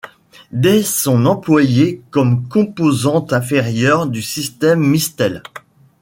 Des sont employés comme composante inférieure du système Mistel.